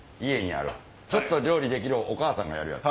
ちょっと料理ができるお母さんがやるやつ。